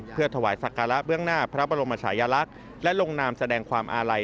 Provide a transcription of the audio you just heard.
เพื่อถวายศักระเบื้องหน้าพระบรมชายลักษณ์และลงนามแสดงความอาลัย